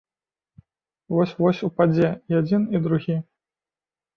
Вось-вось упадзе і адзін і другі.